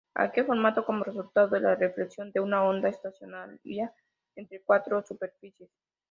Aquel formado como resultado de la reflexión de una onda estacionaria entre cuatro superficies.